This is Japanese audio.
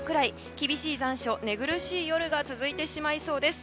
厳しい残暑、寝苦しい夜が続いてしまいそうです。